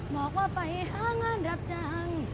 บอกว่าไปหางานรับจ้าง